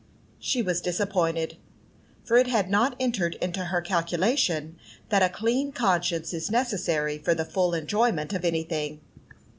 She was disappointed, for it had not entered into her calculation that a clean conscience is necessary for the full enjoyment of anything.